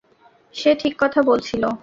সে সঠিক কথা বলছিল।